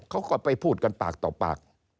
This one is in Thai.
เขาก็ไปพูดกันปากต่อปาก